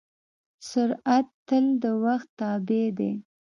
سرعت تل د وخت تابع دی.